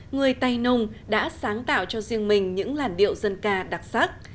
người tây nung đã sáng tạo cho riêng mình những làn điệu dân ca đặc sắc